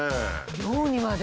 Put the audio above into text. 猟にまで。